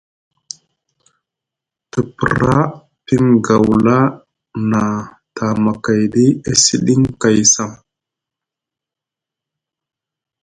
Te pra piŋ gawla na tamakayɗi e siɗiŋ kay sam.